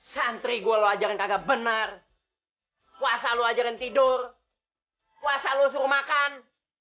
santri gue lo ajarin kagak benar puasa lo ajarin tidur puasa lo suruh makan